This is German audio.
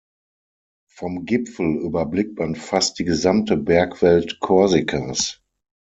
Vom Gipfel überblickt man fast die gesamte Bergwelt Korsikas.